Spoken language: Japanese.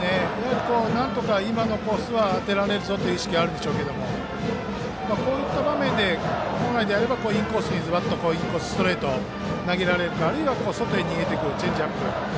なんとか今のコースは当てられるぞという意識があるんでしょうけどもこうした場面で本来なら、インコースにズバッとストレートを投げられるかあるいは外へ逃げていくチェンジアップ。